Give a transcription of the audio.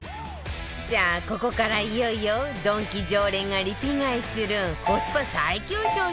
さあここからいよいよドンキ常連がリピ買いするコスパ最強商品